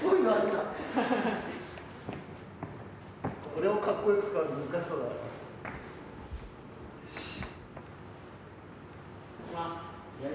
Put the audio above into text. これを格好よく使うの難しそうだな。